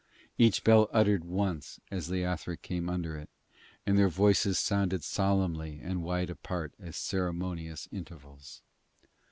Each bell uttered once as Leothric came under it, and their voices sounded solemnly and wide apart at ceremonious intervals.